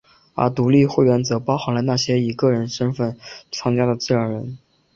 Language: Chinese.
而独立会员则包含了那些以个人身份参加的自然人。